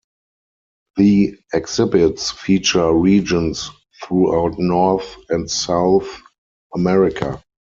The exhibits feature regions throughout North and South America.